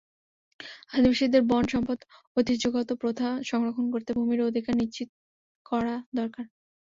আদিবাসীদের বন, সম্পদ, ঐতিহ্যগত প্রথা সংরক্ষণ করতে ভূমির অধিকার নিশ্চিত করা দরকার।